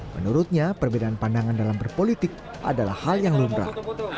menurutnya perbedaan pandangan dalam berpolitik adalah hal yang lumrah